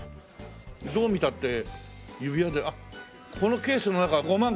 どう見たって指輪あっこのケースの中は５万５０００円。